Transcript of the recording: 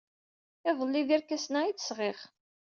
Iḍelli, d irkasen-a ay d-sɣiɣ.